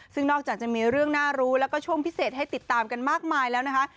ซึ่งนอกจากจะมีเรื่องน่ารู้แล้วก็ช่วงพิเศษให้ติดตามกันมากมายแล้วนะคะ